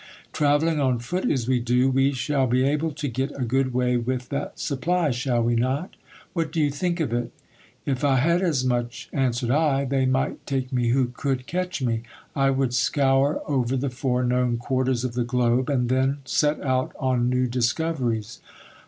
Travelling on foot as we do, we shall be able to get a good way with that supply, shall we not ? What do you dunk of it ? If I had as much, answered I, they might take me who could oatch me, I would scour over the four known quarters of the globe, and then set out on new discoveries.